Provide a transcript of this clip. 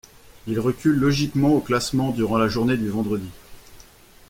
Il recule logiquement au classement durant la journée du vendredi.